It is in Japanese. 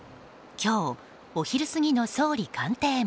今日、お昼過ぎの総理官邸前。